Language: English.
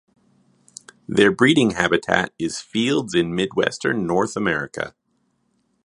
Their breeding habitat is fields in midwestern North America.